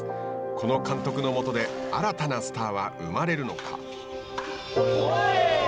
この監督の下で新たなスターは生まれるのか。